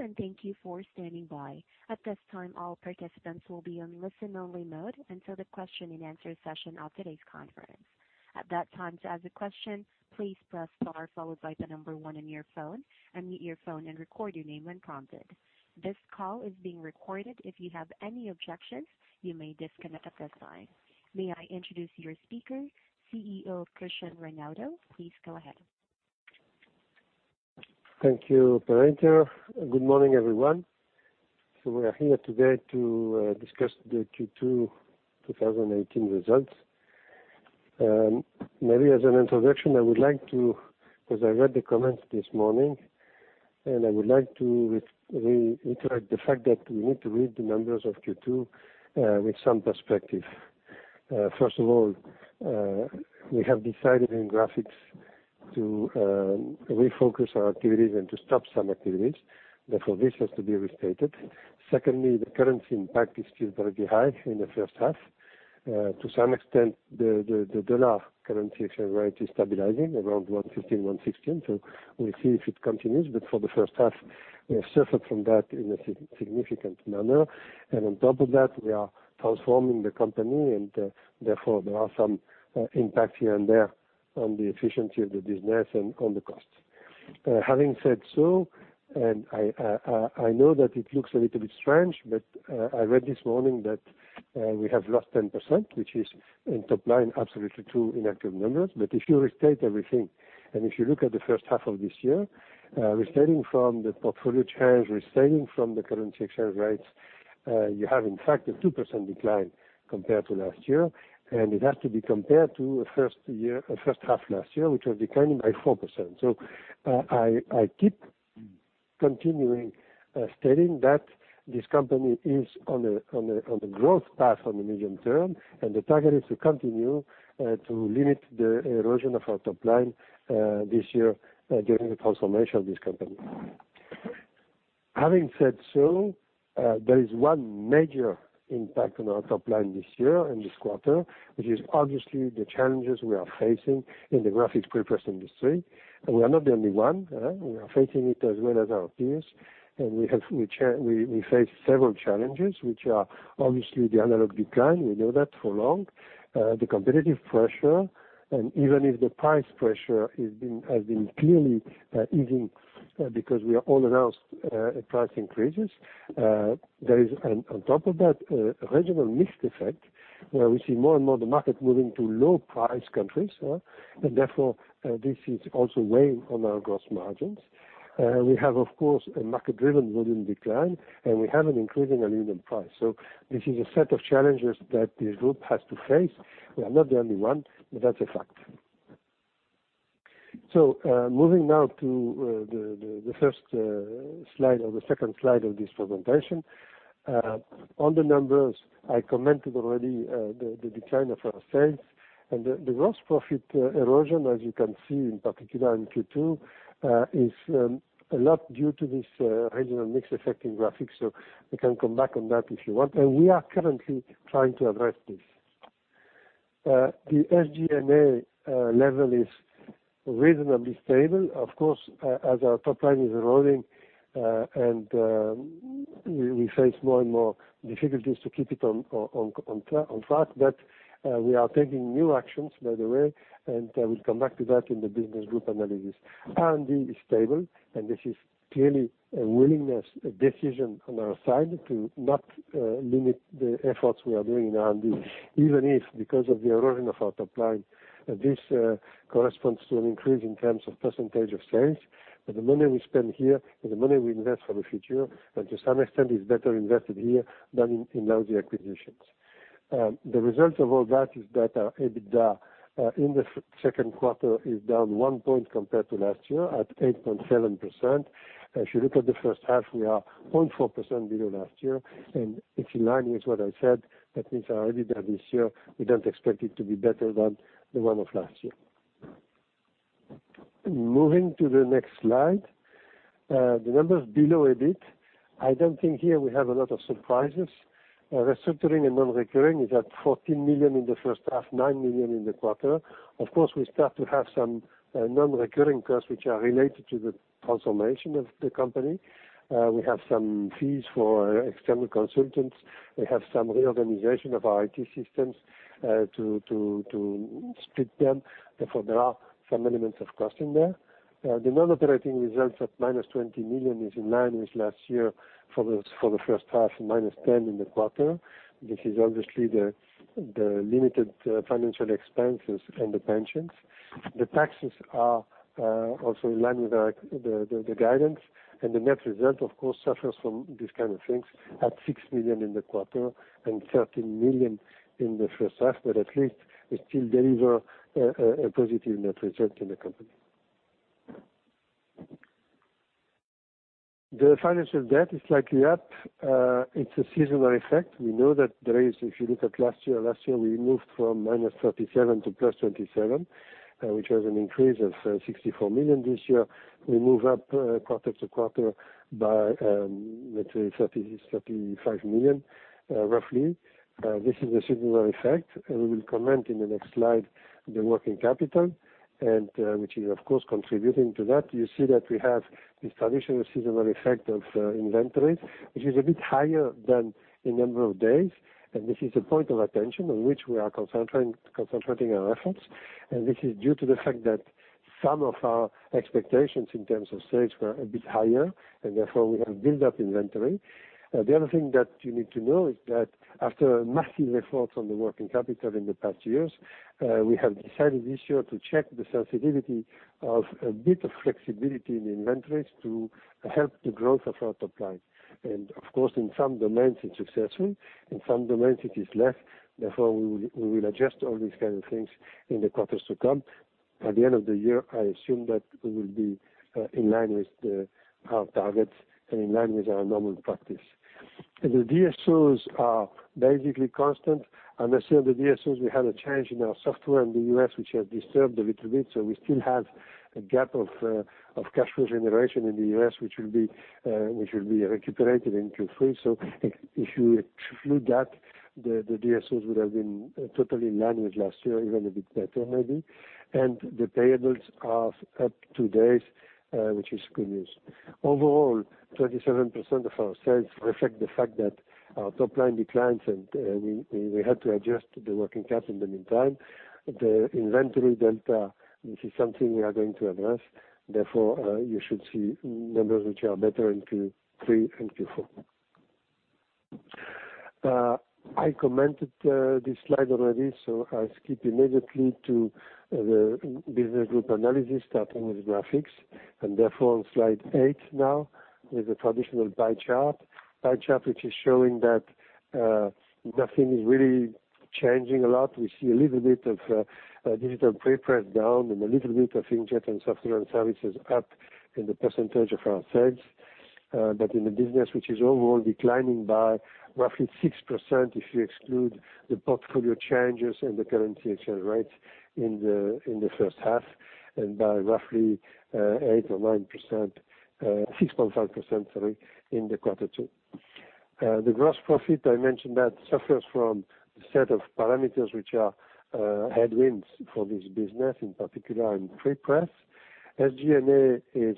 Welcome, thank you for standing by. At this time, all participants will be on listen-only mode until the question and answer session of today's conference. At that time, to ask a question, please press star followed by 1 on your phone, unmute your phone, and record your name when prompted. This call is being recorded. If you have any objections, you may disconnect at this time. May I introduce your speaker, CEO Christian Reinaudo. Please go ahead. Thank you, operator. Good morning, everyone. We are here today to discuss the Q2 2018 results. Maybe as an introduction, I would like to reiterate the fact that we need to read the numbers of Q2 with some perspective. First of all, we have decided in Agfa Graphics to refocus our activities and to stop some activities, therefore this has to be restated. Secondly, the currency impact is still very high in the first half. To some extent, the dollar currency exchange rate is stabilizing around 115, 116. We'll see if it continues, but for the first half, we have suffered from that in a significant manner. On top of that, we are transforming the company and, therefore, there are some impact here and there on the efficiency of the business and on the cost. Having said so, I know that it looks a little bit strange, I read this morning that we have lost 10%, which is in top line, absolutely true in actual numbers. If you restate everything, if you look at the first half of this year, restating from the portfolio change, restating from the currency exchange rates, you have, in fact, a 2% decline compared to last year, it has to be compared to first half last year, which was declining by 4%. I keep continuing stating that this company is on the growth path on the medium term, the target is to continue to limit the erosion of our top line this year during the transformation of this company. Having said so, there is one major impact on our top line this year in this quarter, which is obviously the challenges we are facing in the Agfa Graphics prepress industry, we are not the only one. We are facing it as well as our peers. We face several challenges, which are obviously the analog decline, we know that for long, the competitive pressure. Even if the price pressure has been clearly easing because we have all announced price increases, there is, on top of that, a regional mix effect, where we see more and more the market moving to low price countries. Therefore, this is also weighing on our gross margins. We have, of course, a market-driven volume decline, we have an increasing aluminum price. This is a set of challenges that the group has to face. We are not the only one, but that's a fact. Moving now to the first slide or the second slide of this presentation. On the numbers, I commented already the decline of our sales, and the gross profit erosion, as you can see, in particular in Q2, is a lot due to this regional mix effect in graphics. We can come back on that if you want. We are currently trying to address this. The SG&A level is reasonably stable. Of course, as our top line is eroding, and we face more and more difficulties to keep it on track. We are taking new actions, by the way, and I will come back to that in the business group analysis. R&D is stable. This is clearly a willingness, a decision on our side to not limit the efforts we are doing in R&D, even if, because of the erosion of our top line, this corresponds to an increase in terms of percentage of sales. The money we spend here is the money we invest for the future, and to some extent, is better invested here than in lousy acquisitions. The result of all that is that our EBITDA in the second quarter is down one point compared to last year at 8.7%. If you look at the first half, we are 0.4% below last year, and it's in line with what I said. That means our EBITDA this year, we don't expect it to be better than the one of last year. Moving to the next slide. The numbers below a bit. I don't think here we have a lot of surprises. Restructuring and non-recurring is at 14 million in the first half, 9 million in the quarter. Of course, we start to have some non-recurring costs, which are related to the transformation of the company. We have some fees for external consultants. We have some reorganization of our IT systems to split them. Therefore, there are some elements of cost in there. The non-operating results at minus 20 million is in line with last year for the first half, minus 10 in the quarter. This is obviously the limited financial expenses and the pensions. The taxes are also in line with the guidance, and the net result, of course, suffers from these kind of things at 6 million in the quarter and 13 million in the first half. At least we still deliver a positive net result in the company. The financial debt is slightly up. It's a seasonal effect. We know that there is, if you look at last year, last year we moved from -37 to plus 27, which was an increase of 64 million. This year, we move up quarter to quarter by, let's say, 30 million-35 million, roughly. This is a singular effect. We will comment in the next slide, the working capital, and which is, of course, contributing to that. You see that we have this traditional seasonal effect of inventories, which is a bit higher than the number of days, and this is a point of attention on which we are concentrating our efforts. This is due to the fact that some of our expectations in terms of sales were a bit higher, and therefore we have built up inventory. The other thing that you need to know is that after massive efforts on the working capital in the past years, we have decided this year to check the sensitivity of a bit of flexibility in inventories to help the growth of our top line. Of course, in some domains it is successful, in some domains it is less. Therefore, we will adjust all these kind of things in the quarters to come. At the end of the year, I assume that we will be in line with our targets and in line with our normal practice. The DSOs are basically constant. I say on the DSOs, we had a change in our software in the U.S., which has disturbed a little bit. We still have a gap of cash flow generation in the U.S., which will be recuperated in Q3. If you exclude that, the DSOs would have been totally in line with last year, even a bit better maybe. The payables are up two days, which is good news. Overall, 27% of our sales reflect the fact that our top line declines, and we had to adjust the working capital in the meantime. The inventory delta, this is something we are going to address, therefore, you should see numbers which are better in Q3 and Q4. I commented this slide already, I will skip immediately to the business group analysis, starting with Graphics, and therefore on slide eight now, with the traditional pie chart. Pie chart which is showing that nothing is really changing a lot. We see a little bit of digital prepress down and a little bit of inkjet and software and services up in the percentage of our sales. In the business, which is overall declining by roughly 6%, if you exclude the portfolio changes and the currency exchange rates in the first half, and by roughly 8% or 9%, 6.5%, sorry, in the quarter two. The gross profit, I mentioned that suffers from a set of parameters which are headwinds for this business, in particular in prepress. SG&A is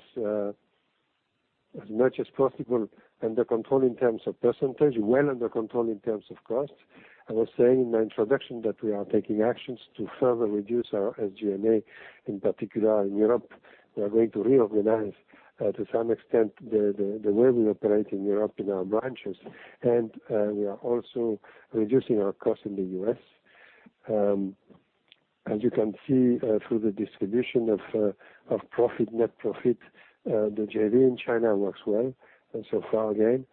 as much as possible under control in terms of %, well under control in terms of cost. I was saying in the introduction that we are taking actions to further reduce our SG&A, in particular in Europe. We are going to reorganize to some extent the way we operate in Europe in our branches. We are also reducing our cost in the U.S. As you can see through the distribution of net profit, the JV in China works well so far, again.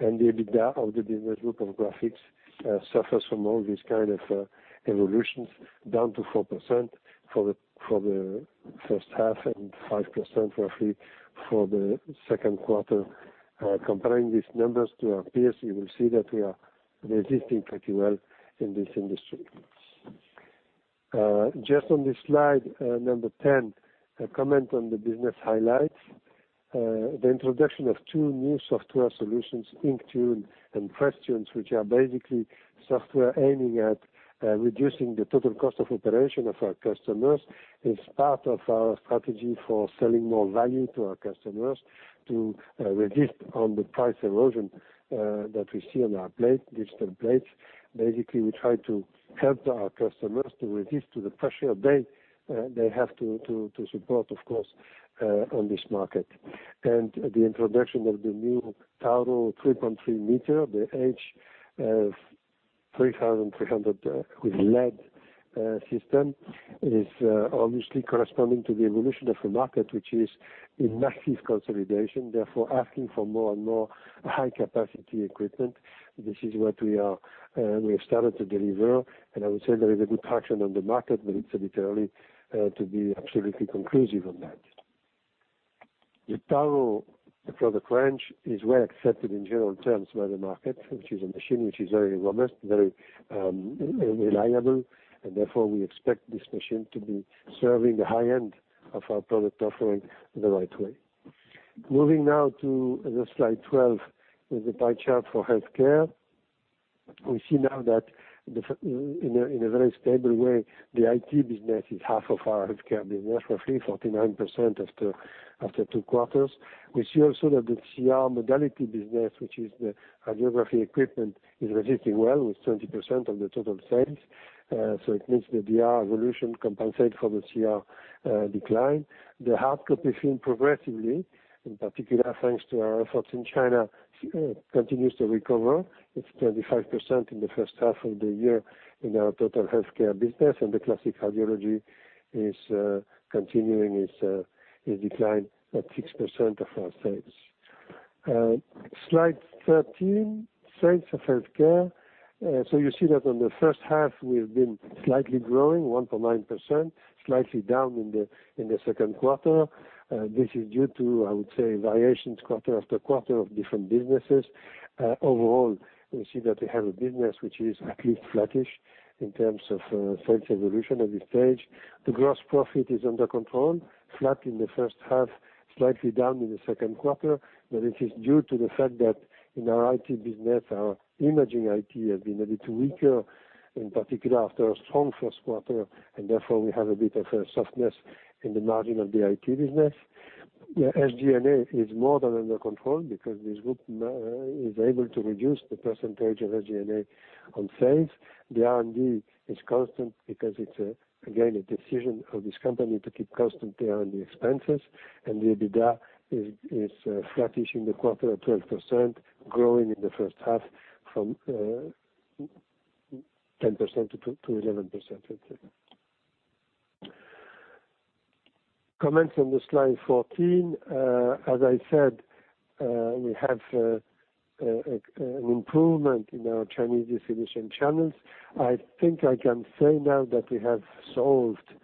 The EBITDA of the business group of Graphics suffers from all these kind of evolutions, down to 4% for the first half and 5% roughly for the second quarter. Comparing these numbers to our peers, you will see that we are resisting pretty well in this industry. Just on this slide, number 10, a comment on the business highlights. The introduction of two new software solutions, InkTune and PressTune, which are basically software aiming at reducing the total cost of operation of our customers, is part of our strategy for selling more value to our customers to resist on the price erosion that we see on our digital plates. Basically, we try to help our customers to resist the pressure they have to support, of course, on this market. The introduction of the new Tauro 3.3 meter, the H3300 with LED system, is obviously corresponding to the evolution of a market which is in massive consolidation, therefore asking for more and more high-capacity equipment. This is what we have started to deliver, and I would say there is a good traction on the market, but it's a bit early to be absolutely conclusive on that. The Tauro product range is well accepted in general terms by the market, which is a machine which is very robust, very reliable, and therefore we expect this machine to be serving the high end of our product offering in the right way. Moving now to slide twelve, with the pie chart for Healthcare. We see now that in a very stable way, the IT business is half of our Healthcare business, roughly 49% after two quarters. We see also that the CR modality business, which is the angiography equipment, is resisting well with 20% of the total sales. It means the DR evolution compensate for the CR decline. The hardcopy film progressively, in particular thanks to our efforts in China, continues to recover. It's 25% in the first half of the year in our total Healthcare business, and the classic radiology is continuing its decline at 6% of our sales. Slide 13, sales of Healthcare. You see that in the first half we have been slightly growing 1.9%, slightly down in the second quarter. This is due to, I would say, variations quarter after quarter of different businesses. Overall, we see that we have a business which is at least flattish in terms of sales evolution at this stage. The gross profit is under control, flat in the first half, slightly down in the second quarter. This is due to the fact that in our IT business, our Imaging IT has been a bit weaker, in particular after a strong first quarter, and therefore we have a bit of a softness in the margin of the IT business. The SG&A is more than under control because this group is able to reduce the percentage of SG&A on sales. The R&D is constant because it's, again, a decision of this company to keep constant R&D expenses, and the EBITDA is flattish in the quarter at 12%, growing in the first half from 10%-11%. Comments on slide 14. As I said, we have an improvement in our Chinese distribution channels. I think I can say now that we have solved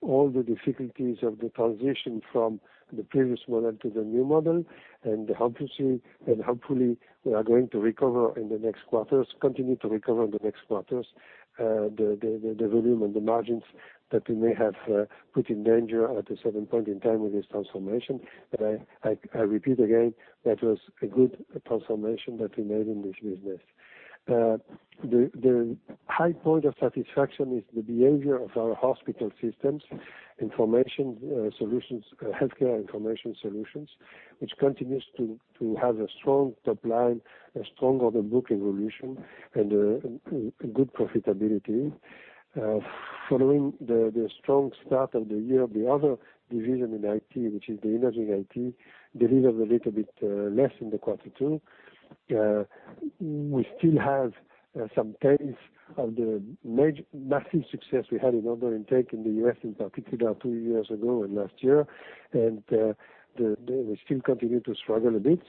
all the difficulties of the transition from the previous model to the new model, hopefully we are going to recover in the next quarters, continue to recover in the next quarters, the volume and the margins that we may have put in danger at a certain point in time with this transformation. I repeat again, that was a good transformation that we made in this business. The high point of satisfaction is the behavior of our hospital systems, Healthcare information solutions, which continues to have a strong top line, a strong order book evolution and good profitability. Following the strong start of the year, the other division in IT, which is the Imaging IT, delivered a little bit less in the quarter, too. We still have some tails of the massive success we had in order intake in the U.S., in particular two years ago and last year, and we still continue to struggle a bit.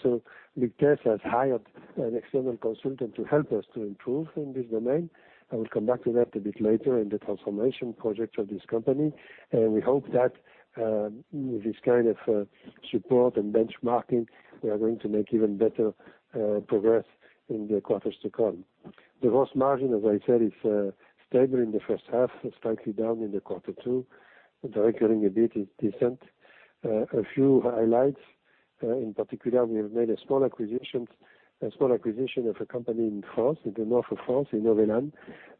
[Victesse] has hired an external consultant to help us to improve in this domain. I will come back to that a bit later in the transformation project of this company. We hope that with this kind of support and benchmarking, we are going to make even better progress in the quarters to come. The gross margin, as I said, is stable in the first half, slightly down in the quarter two. The recurring EBIT is decent. A few highlights. In particular, we have made a small acquisition of a company in France, in the north of France, in Inovelan.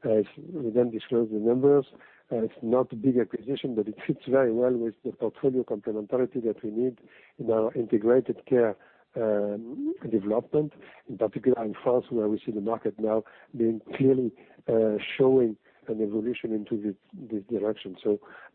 We don't disclose the numbers. It's not a big acquisition, but it fits very well with the portfolio complementarity that we need in our integrated care development, in particular in France, where we see the market now being clearly showing an evolution into this direction.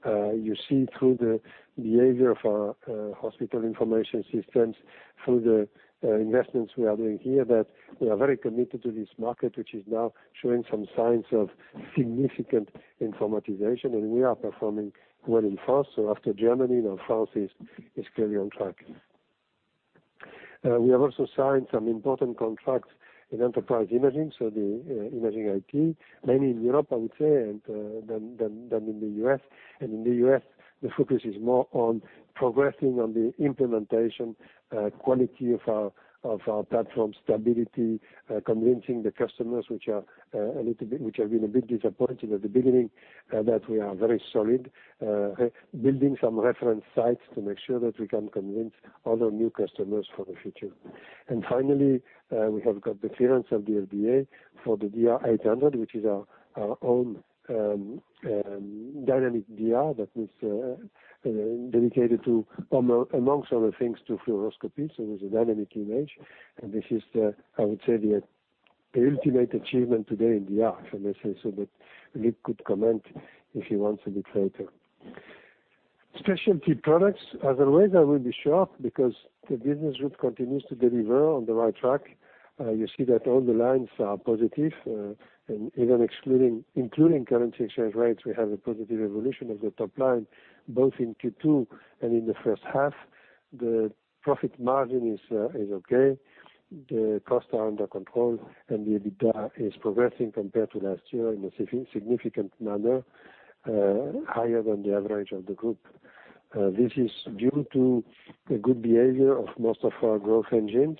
You see through the behavior of our hospital information systems, through the investments we are doing here, that we are very committed to this market, which is now showing some signs of significant informatization, and we are performing well in France. After Germany, now France is clearly on track. We have also signed some important contracts in Enterprise Imaging, so the Imaging IT, mainly in Europe, I would say, than in the U.S. In the U.S., the focus is more on progressing on the implementation quality of our platform stability, convincing the customers which have been a bit disappointed at the beginning that we are very solid. Building some reference sites to make sure that we can convince other new customers for the future. Finally, we have got the clearance of the FDA for the DR 800, which is our own dynamic DR that was dedicated amongst other things, to fluoroscopy. It is a dynamic image, and this is, I would say, the ultimate achievement today in DR. Let's say so that Rick could comment if he wants a bit later. Specialty Products. As always, I will be short because the business group continues to deliver on the right track. You see that all the lines are positive, and even including currency exchange rates, we have a positive evolution of the top line both in Q2 and in the first half. The profit margin is okay. The costs are under control, the EBITDA is progressing compared to last year in a significant manner, higher than the average of the group. This is due to the good behavior of most of our growth engines.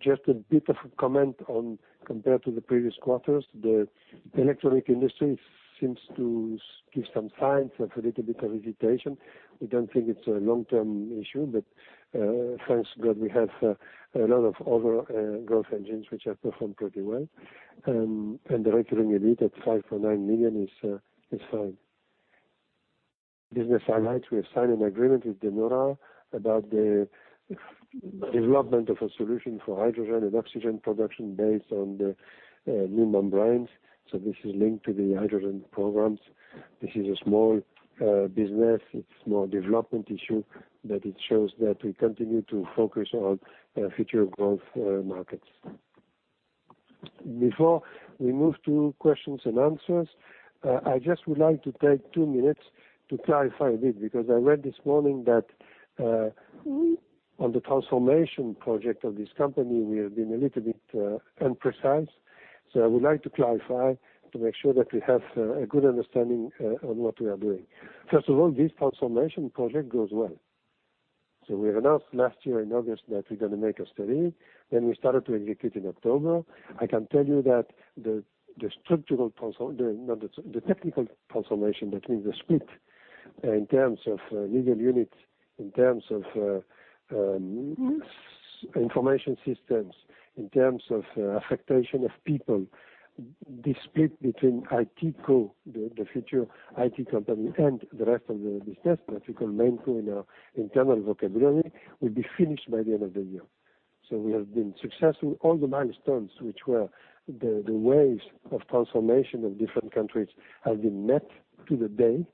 Just a bit of a comment on compared to the previous quarters, the electronic industry seems to give some signs of a little bit of hesitation. We don't think it's a long-term issue, thanks God we have a lot of other growth engines which have performed pretty well. The recurring EBIT at 5.9 million is fine. Business highlights. We have signed an agreement with De Nora about the development of a solution for hydrogen and oxygen production based on the new membranes. This is linked to the hydrogen programs. This is a small business. It's more a development issue, but it shows that we continue to focus on future growth markets. Before we move to questions and answers I just would like to take two minutes to clarify a bit, because I read this morning that on the transformation project of this company, we have been a little bit imprecise. I would like to clarify to make sure that we have a good understanding on what we are doing. First of all, this transformation project goes well. We announced last year in August that we're going to make a study, we started to execute in October. I can tell you that the technical transformation, that means the split in terms of legal units, in terms of information systems, in terms of affectation of people, the split between ITCo, the future IT company, and the rest of the business, that we call Mainco in our internal vocabulary, will be finished by the end of the year. We have been successful. All the milestones, which were the ways of transformation of different countries, have been met to the day.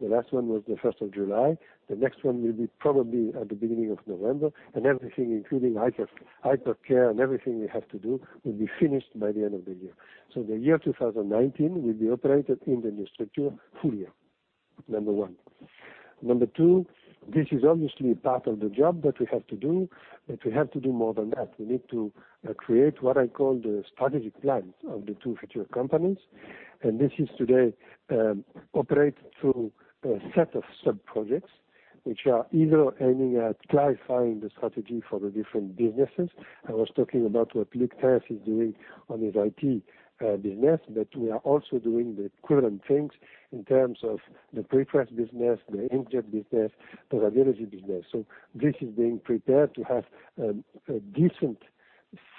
The last one was the 1st of July. The next one will be probably at the beginning of November, and everything, including hypercare and everything we have to do, will be finished by the end of the year. The year 2019 will be operated in the new structure full year. Number one. Number two, this is obviously part of the job that we have to do, but we have to do more than that. We need to create what I call the strategic plans of the two future companies. This is today operated through a set of sub-projects, which are either aiming at clarifying the strategy for the different businesses. I was talking about what Luc Thijs is doing on his IT business, but we are also doing the equivalent things in terms of the pre-press business, the inkjet business, the radiology business. This is being prepared to have a different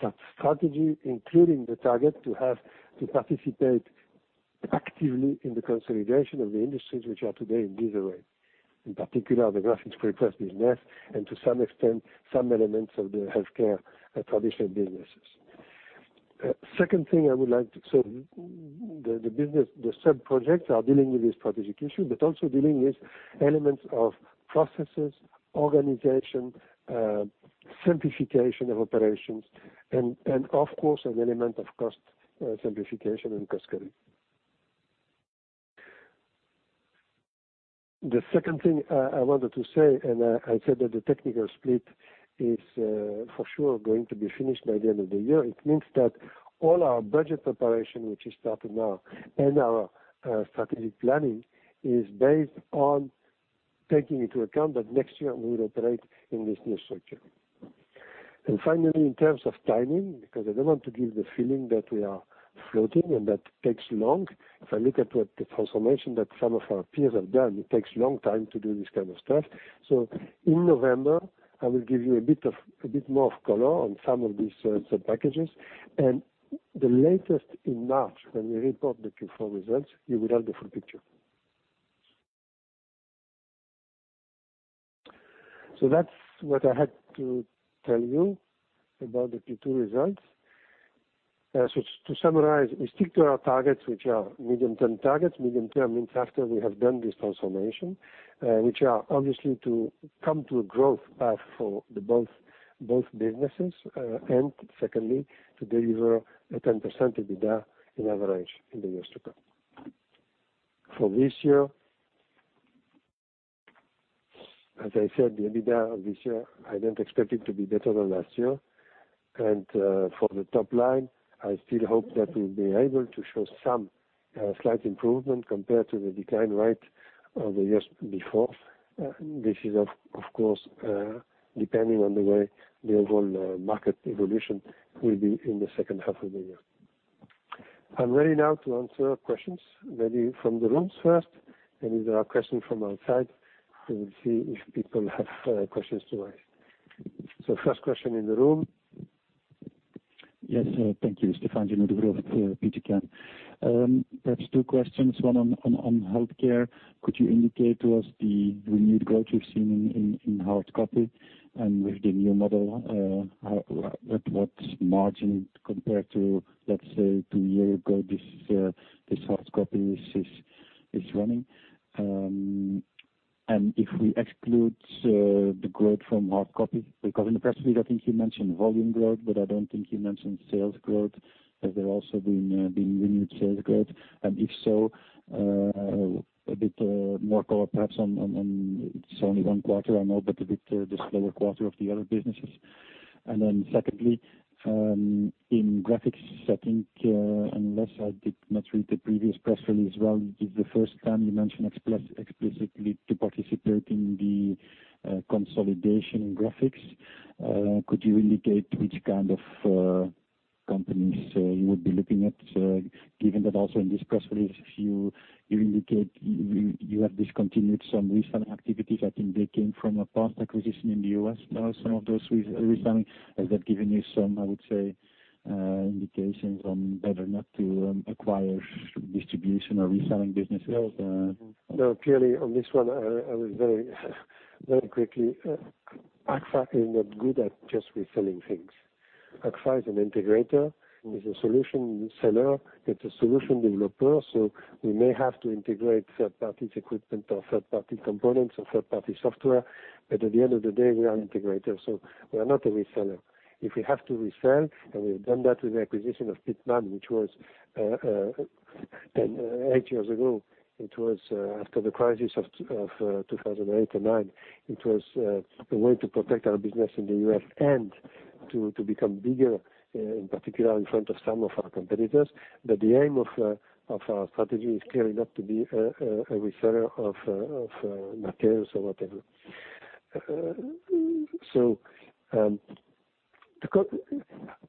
sub-strategy, including the target to participate actively in the consolidation of the industries which are today in disarray. In particular, the graphics pre-press business, and to some extent, some elements of the Healthcare traditional businesses. The sub-projects are dealing with this strategic issue, but also dealing with elements of processes, organization, simplification of operations, and of course, an element of cost simplification and cost cutting. The second thing I wanted to say, I said that the technical split is for sure going to be finished by the end of the year. It means that all our budget preparation, which is starting now, and our strategic planning is based on taking into account that next year we will operate in this new structure. Finally, in terms of timing, because I don't want to give the feeling that we are floating and that takes long. If I look at what the transformation that some of our peers have done, it takes a long time to do this kind of stuff. In November, I will give you a bit more of color on some of these sub-packages. The latest in March, when we report the Q4 results, you will have the full picture. That's what I had to tell you about the Q2 results. To summarize, we stick to our targets, which are medium-term targets. Medium-term means after we have done this transformation, which are obviously to come to a growth path for both businesses, and secondly, to deliver a 10% EBITDA in average in the years to come. For this year, as I said, the EBITDA of this year, I don't expect it to be better than last year. For the top line, I still hope that we'll be able to show some slight improvement compared to the decline rate of the years before. This is, of course, depending on the way the overall market evolution will be in the second half of the year. I'm ready now to answer questions, maybe from the rooms first, and if there are questions from outside, we will see if people have questions to ask. First question in the room. Yes. Thank you. Stefan Genoe of Petercam. Perhaps two questions, one on Healthcare. Could you indicate to us the renewed growth you're seeing in hardcopy and with the new model, what margin compared to, let's say, two year ago, this hardcopy is running? If we exclude the growth from hardcopy, because in the press release, I think you mentioned volume growth, but I don't think you mentioned sales growth. Has there also been renewed sales growth? If so, a bit more color perhaps on, it's only one quarter, I know, but a bit the slower quarter of the other businesses. Then secondly, in graphics, I think, unless I did not read the previous press release well, it is the first time you mentioned explicitly to participate in the consolidation in graphics. Could you indicate which kind of companies you would be looking at? Given that also in this press release, you indicate you have discontinued some reselling activities. I think they came from a past acquisition in the U.S. Now, some of those reselling, has that given you some, I would say, indications on better not to acquire distribution or reselling businesses? No, purely on this one, I will very quickly. Agfa is not good at just reselling things. Agfa is an integrator, is a solution seller. It's a solution developer. We may have to integrate third parties' equipment or third party components or third party software. At the end of the day, we are an integrator, so we are not a reseller. If we have to resell, and we've done that with the acquisition of Pitman, which was 8 years ago. It was after the crisis of 2008 and 2009. It was a way to protect our business in the U.S. and to become bigger, in particular in front of some of our competitors. The aim of our strategy is clearly not to be a reseller of materials or whatever.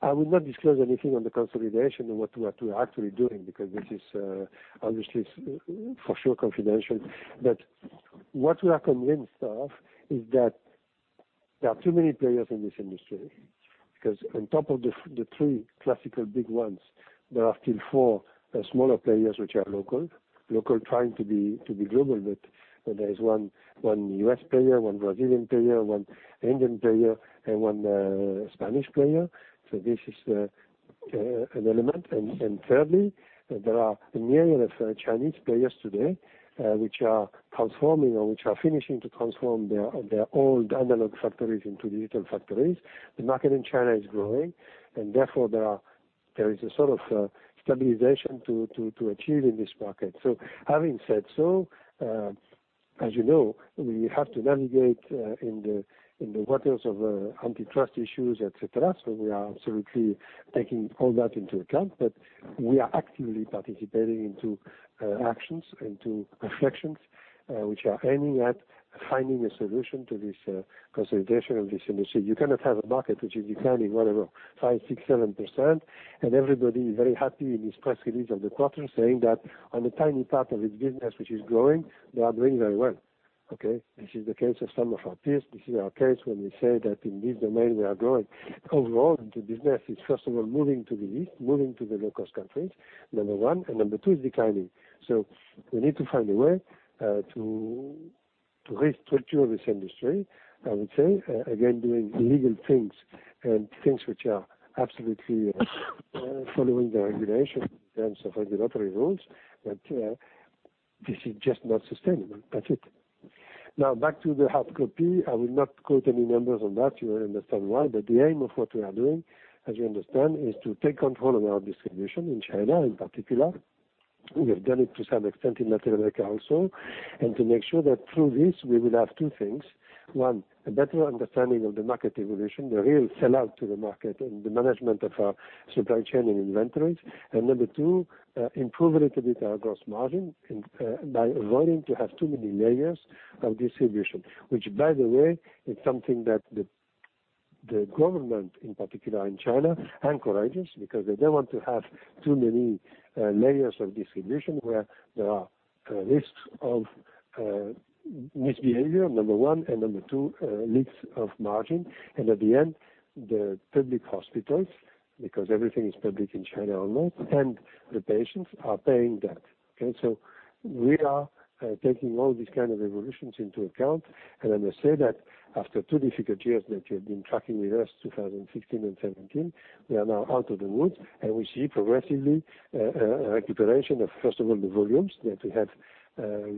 I will not disclose anything on the consolidation of what we are actually doing because this is obviously, for sure confidential. What we are convinced of is that there are too many players in this industry, because on top of the 3 classical big ones, there are still 4 smaller players which are local. Local trying to be global, but there is 1 U.S. player, 1 Brazilian player, 1 Indian player, and 1 Spanish player. This is an element. Thirdly, there are myriad of Chinese players today, which are transforming or which are finishing to transform their old analog factories into digital factories. The market in China is growing, and therefore there is a sort of stabilization to achieve in this market. Having said so, as you know, we have to navigate in the waters of antitrust issues, et cetera. We are absolutely taking all that into account, but we are actively participating into actions, into reflections, which are aiming at finding a solution to this consolidation of this industry. You cannot have a market which is declining whatever, 5%, 6%, 7%, and everybody is very happy in his press release of the quarter saying that on a tiny part of his business, which is growing, they are doing very well. Okay. This is the case of some of our peers. This is our case when we say that in this domain, we are growing. Overall, the business is first of all moving to the East, moving to the low cost countries, number 1. Number 2 is declining. We need to find a way to restructure this industry. I would say, again, doing legal things and things which are absolutely following the regulation in terms of regulatory rules. This is just not sustainable. That's it. Now back to the hardcopy. I will not quote any numbers on that. You understand why. The aim of what we are doing, as you understand, is to take control of our distribution in China in particular. We have done it to some extent in Latin America also. To make sure that through this we will have 2 things. 1, a better understanding of the market evolution, the real sell-out to the market and the management of our supply chain and inventories. Number 2, improve a little bit our gross margin by avoiding to have too many layers of distribution. By the way, is something that the government, in particular in China, encourages because they don't want to have too many layers of distribution where there are risks of misbehavior, number one. Number two, leaks of margin. At the end, the public hospitals, because everything is public in China almost. The patients are paying that. Okay. We are taking all these kind of evolutions into account. I must say that after two difficult years that you have been tracking with us, 2016 and 2017, we are now out of the woods and we see progressively a recuperation of first of all the volumes that we have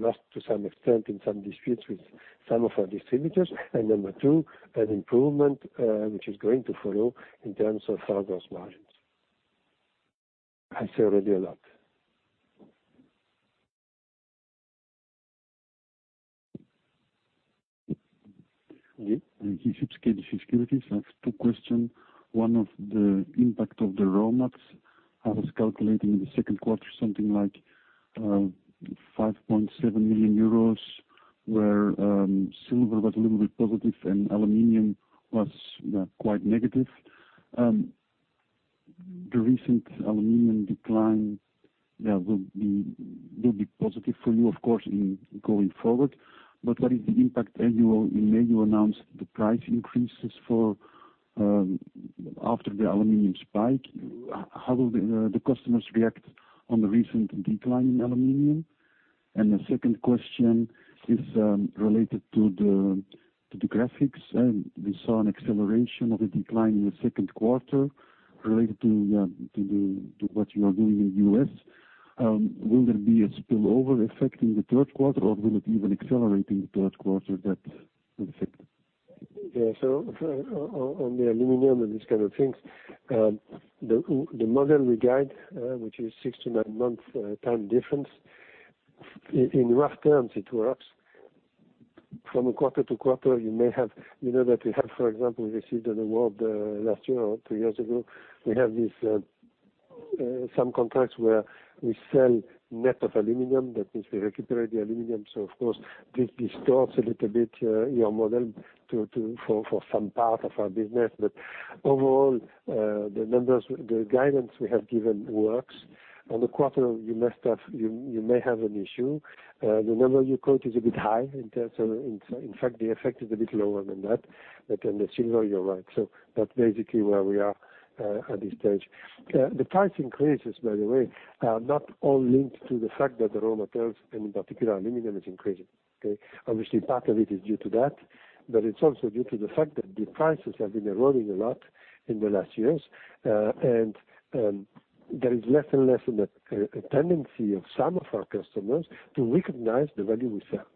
lost to some extent in some disputes with some of our distributors. Number two, an improvement which is going to follow in terms of our gross margins. I say already a lot. Okay. This is Securities. I have two questions. One on the impact of the raw mats. I was calculating in the second quarter something like, 5.7 million euros where silver was a little bit positive and aluminum was quite negative. The recent aluminum decline will be positive for you of course in going forward. What is the impact annual? In May you announced the price increases for after the aluminum spike. How will the customers react on the recent decline in aluminum? The second question is related to Agfa Graphics. We saw an acceleration of a decline in the second quarter related to what you are doing in the U.S. Will there be a spillover effect in the third quarter or will it be even accelerate in the third quarter that effect? On the aluminum and these kind of things, the model we guide, which is six to nine months time difference. In rough terms it works from quarter to quarter. You know that we have, for example, received an award last year or two years ago. We have some contracts where we sell net of aluminum. That means we recuperate the aluminum. Of course this distorts a little bit your model for some part of our business. Overall, the guidance we have given works. On the quarter you may have an issue. The number you quote is a bit high. In fact, the effect is a bit lower than that. On the silver you're right. That's basically where we are at this stage. The price increases, by the way, are not all linked to the fact that the raw materials, and in particular aluminum is increasing. Obviously part of it is due to that. It is also due to the fact that the prices have been eroding a lot in the last years, and there is less and less of a tendency of some of our customers to recognize the value we sell.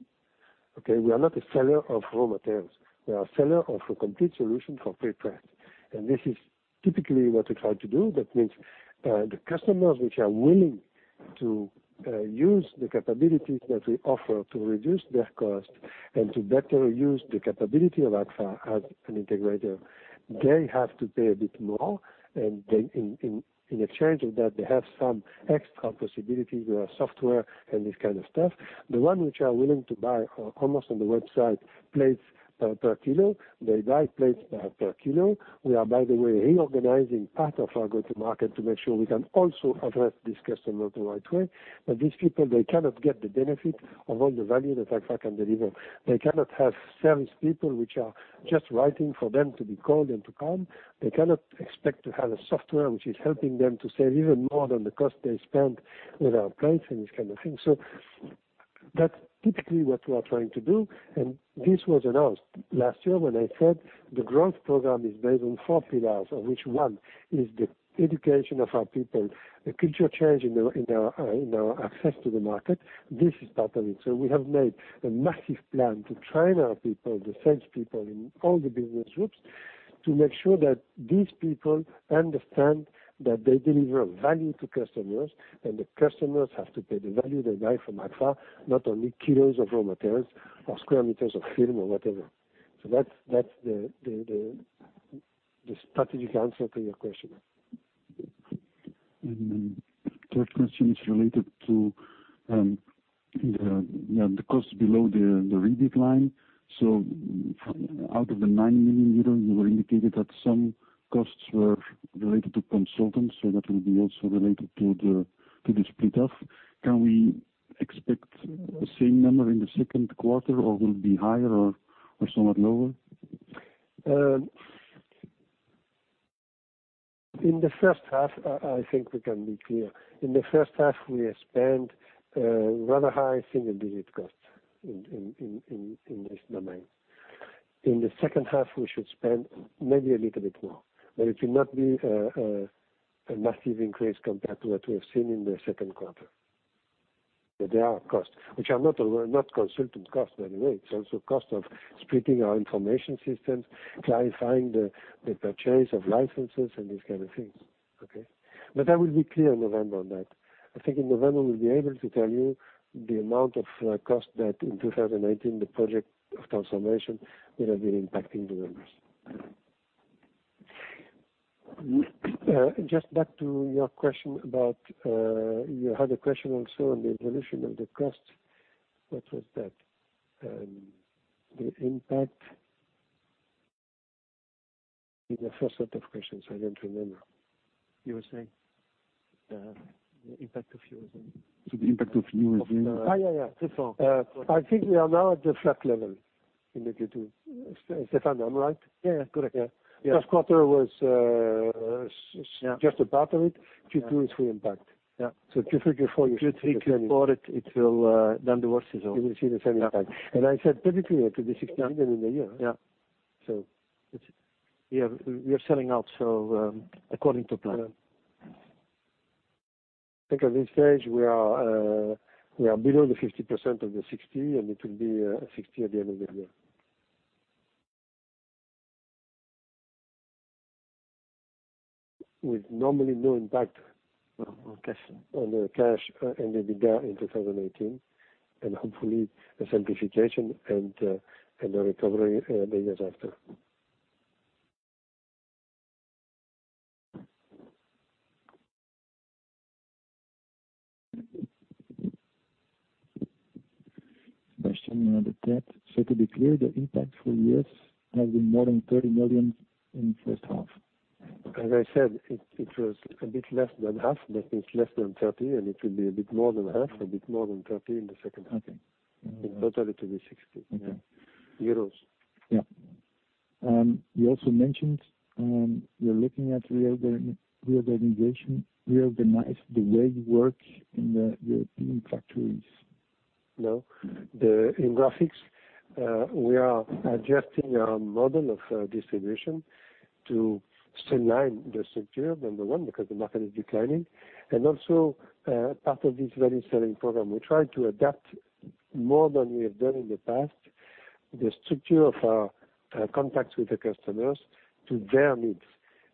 We are not a seller of raw materials. We are a seller of a complete solution for pre-press, and this is typically what we try to do. That means the customers which are willing to use the capabilities that we offer to reduce their cost and to better use the capability of Agfa as an integrator, they have to pay a bit more, and in exchange of that, they have some extra possibilities. We have software and this kind of stuff. The one which are willing to buy almost on the website, plates per kilo, they buy plates per kilo. We are, by the way, reorganizing part of our go-to-market to make sure we can also address this customer the right way. These people, they cannot get the benefit of all the value that Agfa can deliver. They cannot have salespeople which are just waiting for them to be called and to come. They cannot expect to have a software which is helping them to save even more than the cost they spend with our plates and this kind of thing. That is typically what we are trying to do, and this was announced last year when I said the growth program is based on four pillars, of which one is the education of our people, the culture change in our access to the market. This is part of it. We have made a massive plan to train our people, the salespeople in all the business groups, to make sure that these people understand that they deliver value to customers, and the customers have to pay the value they buy from Agfa, not only kilos of raw materials or square meters of film or whatever. That is the strategic answer to your question. Third question is related to the cost below the rebate line. Out of the 9 million euros, you indicated that some costs were related to consultants, so that will be also related to the split off. Can we expect the same number in the second quarter, or will it be higher or somewhat lower? In the first half, I think we can be clear. In the first half, we spent rather high single-digit costs in this domain. In the second half, we should spend maybe a little bit more, but it will not be a massive increase compared to what we have seen in the second quarter. There are costs, which are not consultant costs, by the way. It's also cost of splitting our information systems, clarifying the purchase of licenses and these kind of things. Okay? I will be clear in November on that. I think in November, we'll be able to tell you the amount of cost that in 2019, the project of transformation will have been impacting the numbers. Just back to your question about You had a question also on the evolution of the cost. What was that? The impact In the first set of questions, I don't remember. You were saying the impact of Eurozone. The impact of Eurozone. Yeah. Stefan. I think we are now at the flat level in the Q2. Stefan, am I right? Yeah, correct. First quarter was just a part of it. Q2 is full impact. Yeah. Q3, Q4. Q3, Q4, the worst is over. You will see the full impact. I said pretty clear it will be 60 million in the year. Yeah. It's We are selling out so according to plan. I think at this stage, we are below the 50% of the 60, it will be 60 at the end of the year. On cash. On the cash and EBITDA in 2018, hopefully a simplification and a recovery the years after. Question on the debt. To be clear, the impact for this has been more than 30 million in first half? As I said, it was a bit less than half, but it's less than 30, it will be a bit more than half, a bit more than 30 in the second half. Okay. In total, it will be 60. Okay. Euros. Yeah. You also mentioned you're looking at reorganization, reorganize the way you work in the European factories. No. In Graphics, we are adjusting our model of distribution to streamline the structure, number one, because the market is declining. Also, part of this very selling program, we try to adapt more than we have done in the past, the structure of our contacts with the customers to their needs.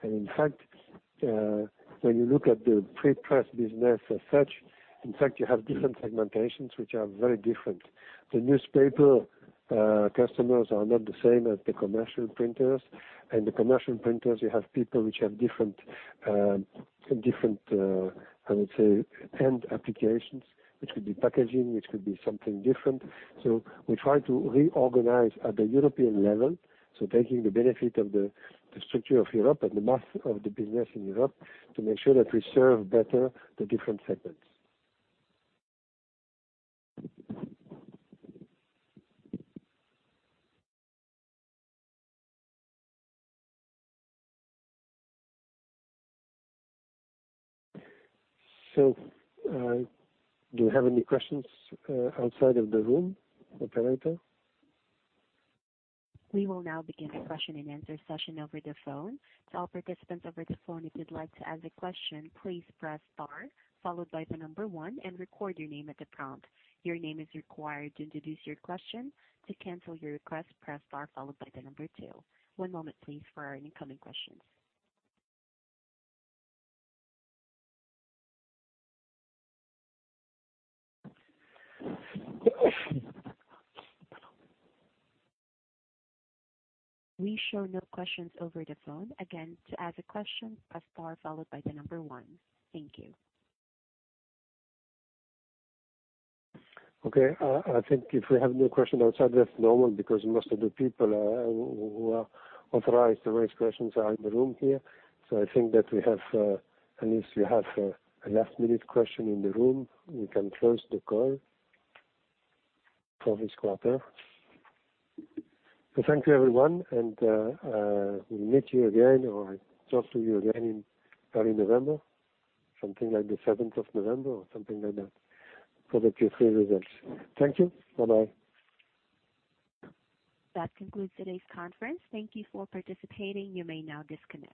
In fact, when you look at the digital prepress business as such, in fact, you have different segmentations which are very different. The newspaper customers are not the same as the commercial printers. In the commercial printers, you have people which have different, I would say, end applications, which could be packaging, which could be something different. We try to reorganize at the European level, taking the benefit of the structure of Europe and the mass of the business in Europe to make sure that we serve better the different segments. Do you have any questions outside of the room, operator? We will now begin a question-and-answer session over the phone. To all participants over the phone, if you'd like to ask a question, please press star followed by the number one and record your name at the prompt. Your name is required to introduce your question. To cancel your request, press star followed by the number two. One moment, please, for our incoming questions. We show no questions over the phone. Again, to ask a question, press star followed by the number one. Thank you. Okay. I think if we have no question outside, that's normal because most of the people who are authorized to raise questions are in the room here. I think that we have Unless you have a last-minute question in the room, we can close the call for this quarter. Thank you, everyone, and we'll meet you again or talk to you again in early November, something like the 7th of November or something like that for the Q3 results. Thank you. Bye-bye. That concludes today's conference. Thank you for participating. You may now disconnect.